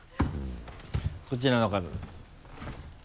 こちらの方です。